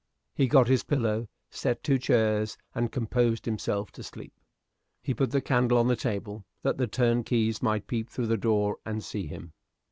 He got his pillow, set two chairs, and composed himself to sleep. He put the candle on the table, that the turnkeys might peep through the door and see him.